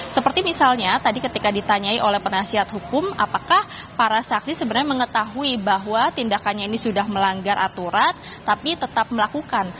seperti misalnya tadi ketika ditanyai oleh penasihat hukum apakah para saksi sebenarnya mengetahui bahwa tindakannya ini sudah melanggar aturan tapi tetap melakukan